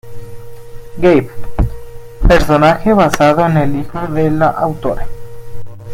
Gabe: Personaje basado en el hijo de la autora.